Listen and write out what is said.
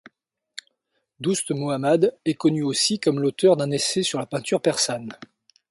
Doust Mohammad est connu aussi comme l'auteur d'un essai sur la peinture persane.